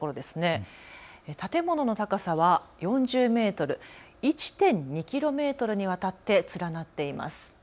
建物の高さは４０メートル、１．２キロメートルにわたって連なっています。